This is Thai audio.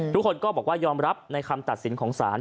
ทุกคนก็บอกว่ายอมรับในคำตัดสินของศาล